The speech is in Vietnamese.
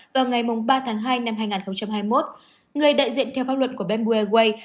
vào ngày ba tháng hai năm hai nghìn hai mươi một người đại diện theo pháp luật của bamboo airways